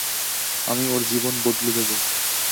আমি ওর জীবন বদলে দেব।